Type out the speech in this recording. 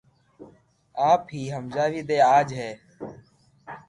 آپ ھي ھمجاوي دي اج ھي